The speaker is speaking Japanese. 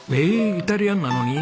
イタリアンなのに？